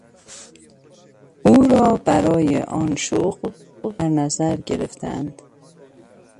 او را برای آن شغل در نظر گرفتهاند.